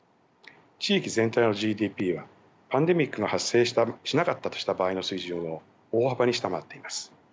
地域全体のＧＤＰはパンデミックが発生しなかったとした場合の水準を大幅に下回っています。